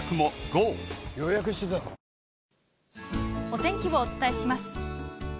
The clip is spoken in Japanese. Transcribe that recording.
お天気をお伝えします。